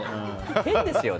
変ですよね。